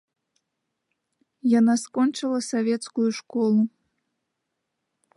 Яна скончыла савецкую школу.